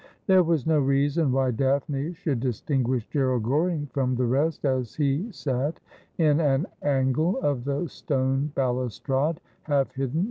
There was no reason why Daphne should distinguish Gerald Goring from the rest, as he sat in an angle of the stone balustrade, half hidden 308 Asphodel.